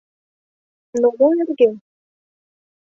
Но мо нерген?